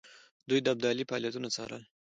دوی د ابدالي فعالیتونه څارل.